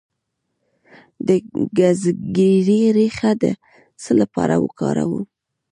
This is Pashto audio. د ګزګیرې ریښه د څه لپاره وکاروم؟